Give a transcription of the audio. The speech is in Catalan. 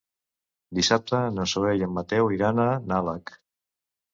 Dissabte na Zoè i en Mateu iran a Nalec.